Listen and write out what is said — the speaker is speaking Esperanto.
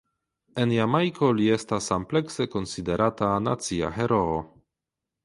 En Jamajko li estas amplekse konsiderata nacia heroo.